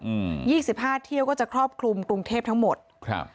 ยี่สิบห้าเที่ยวก็จะครอบคลุมกรุงเทพทั้งหมดครับ